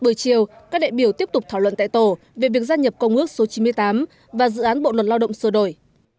bữa chiều các đại biểu tiếp tục thảo luận tại tổ về việc gia nhập công ước số chín mươi tám và dự án bộ luật lao động sửa đổi